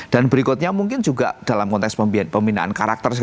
dan berikutnya mungkin juga dalam konteks pembinaan karakter